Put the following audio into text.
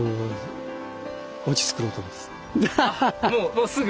もうすぐ。